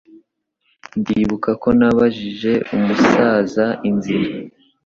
Ndibuka ko nabajije umusaza inzira.